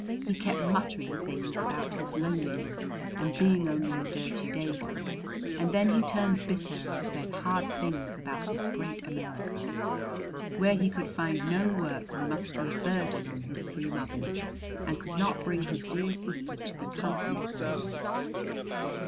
He kept muttering things about his loneliness and being only a dirty dago; and then he turned bitter and said hard things about this great America, where he could find no work and must be a burden on his three mothers, and could not bring his dear sister to be company for him.